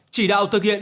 chỉ đạo thực hiện